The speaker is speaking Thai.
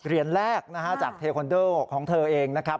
เหรียญแรกจากถุงทางเขาของเธอเองนะครับ